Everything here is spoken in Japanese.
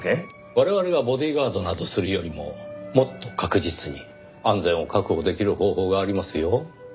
我々がボディーガードなどするよりももっと確実に安全を確保できる方法がありますよ。